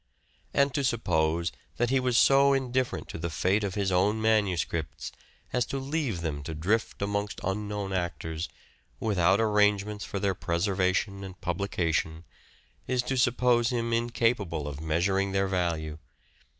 And to suppose that he was so indifferent to the fate of his own manuscripts as to leave them to drift amongst unknown actors, without arrangements for their preservation and publication, is to suppose him incap able of measuring their value.